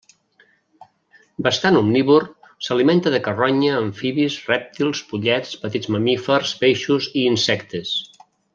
Bastant omnívor, s'alimenta de carronya, amfibis, rèptils, pollets, petits mamífers, peixos i insectes.